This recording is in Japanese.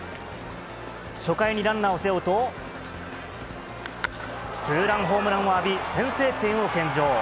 初回にランナーを背負うと、ツーランホームランを浴び、先制点を献上。